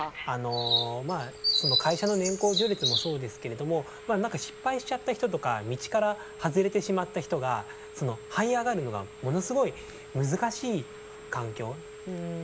あのまあ会社の年功序列もそうですけれども何か失敗しちゃった人とか道から外れてしまった人がはい上がるのがものすごい難しい環境。